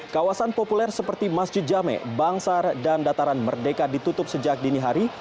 kawasan populer seperti masjid jame bangsar dan dataran merdeka ditutup sejak dini hari